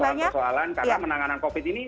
banyak persoalan karena menanganan covid ini